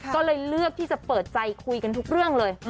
ก็เลยเลือกที่จะเปิดใจคุยกันทุกเรื่องเลย